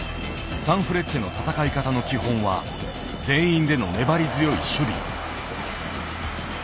サンフレッチェの戦い方の基本は全員での粘り強い守備。